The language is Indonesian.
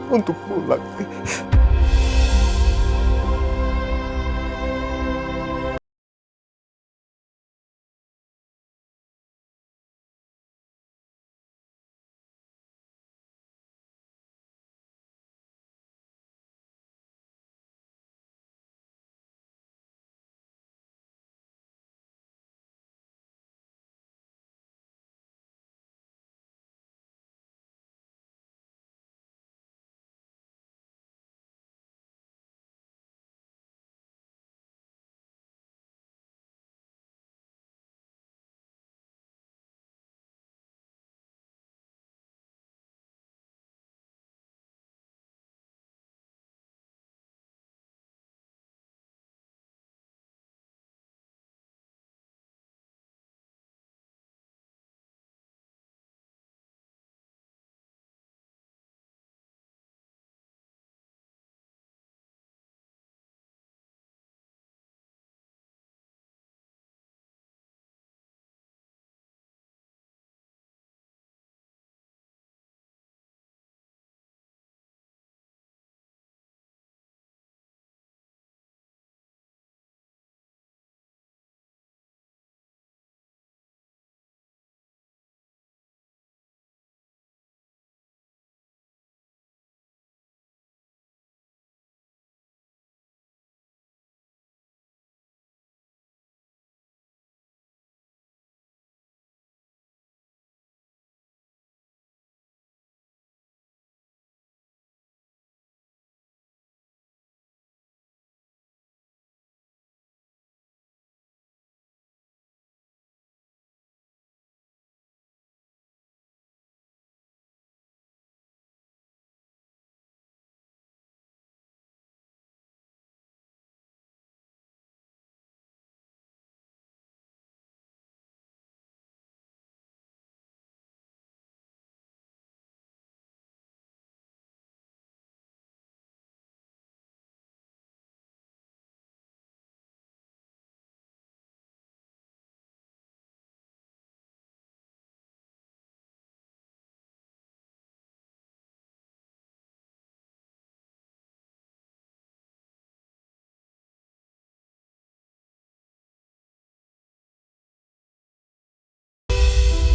untuk pulang ya